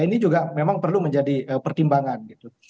ini juga memang perlu menjadi pertimbangan gitu